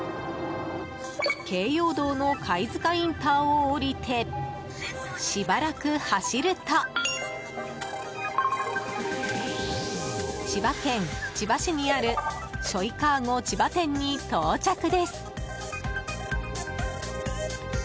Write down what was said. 京葉道の貝塚インターを降りてしばらく走ると千葉県千葉市にあるしょいかご千葉店に到着です。